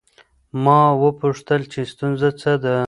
ما وپوښتل چې ستونزه څه ده؟